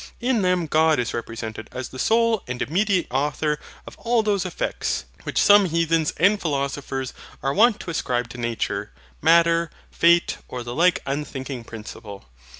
In them God is represented as the sole and immediate Author of all those effects which some heathens and philosophers are wont to ascribe to Nature, Matter, Fate, or the like unthinking principle.